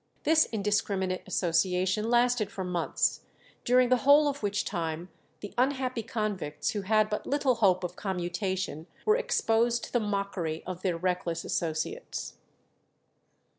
This indiscriminate association lasted for months, during the whole of which time the unhappy convicts who had but little hope of commutation were exposed to the mockery of their reckless associates.